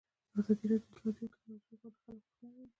ازادي راډیو د اطلاعاتی تکنالوژي لپاره د خلکو غوښتنې وړاندې کړي.